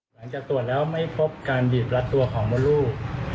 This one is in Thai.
หลังจากตรวจแล้วไม่พบการบีบรัดตัวของมดลูก